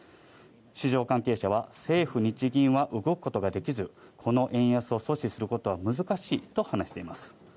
市場関係者は政府・日銀は動くことができず、この円安を阻止することは難しいと話しています。